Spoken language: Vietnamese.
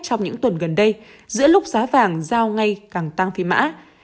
trong những tuần gần đây giữa lúc giá vàng giao ngay càng tăng phi mã